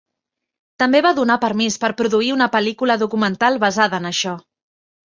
També va donar permís per produir una pel·lícula documental basada en això.